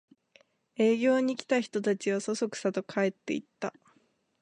営業に来た人たちはそそくさと帰っていった